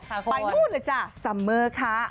ไปนู่นเลยจ้ะซัมเมอร์ค่ะ